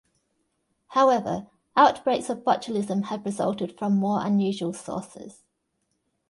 However, outbreaks of botulism have resulted from more unusual sources.